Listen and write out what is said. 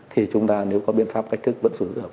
thì chúng ta nếu có biện pháp cách thức vẫn sử dụng